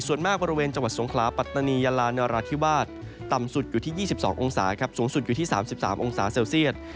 ส่วนมากบริเวณจังหวัดสงขลาปัตตานียาลานราธิวาสต่ำสุดอยู่ที่๒๒องศาครับสูงสุดอยู่ที่๓๓องศาเซลเซียต